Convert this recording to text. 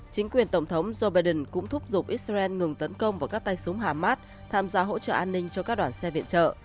chính quyền tổng thống joe biden cũng thúc giục israel ngừng tấn công vào các tay súng hamas tham gia hỗ trợ an ninh cho các đoàn xe viện trợ